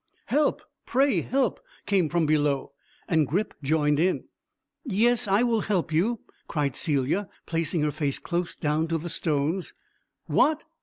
"Help pray help!" came from below; and Grip joined in. "Yes, I will help you," cried Celia, placing her face close down to the stones. "What!"